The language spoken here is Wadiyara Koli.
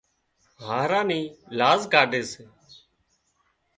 هاهرا نِي لاز ڪاڍي سي